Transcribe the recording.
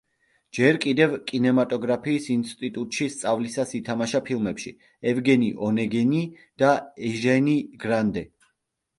ჯერ კიდევ კინემატოგრაფიის ინსტიტუტში სწავლისას ითამაშა ფილმებში: „ევგენი ონეგინი“ და „ეჟენი გრანდე“.